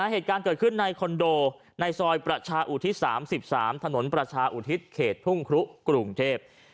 เหตุการณ์เกิดขึ้นในคอนโดในซอยประชาอุทิศ๓๓ถนนประชาอุทิศเขตทุ่งครุกรุงเทพ